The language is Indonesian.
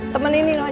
temenin ini aja ya